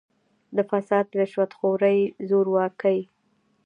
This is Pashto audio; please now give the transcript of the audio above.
د «فساد، رشوت خورۍ، زورواکۍ